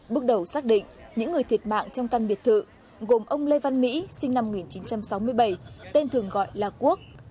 bước đầu xác định những người thiệt mạng trong căn biệt thự gồm ông lê văn mỹ sinh năm một nghìn chín trăm sáu mươi bảy tên thường gọi là quốc